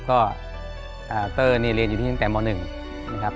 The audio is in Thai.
ก็เตอร์เนี่ยเรียนอยู่ที่นี่ตั้งแต่มหนึ่งนะครับ